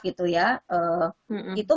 gitu ya itu